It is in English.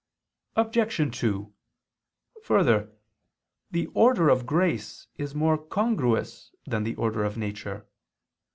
Obj. 2: Further, the order of grace is more congruous than the order of nature.